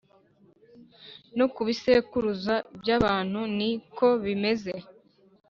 no ku bisekuruza by’abantu ni ko bimeze: